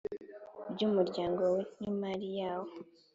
by’Umuryango n’imari yawo;